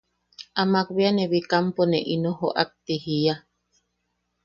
Amak bea ne Bikampo ne ino joʼak ti jiia.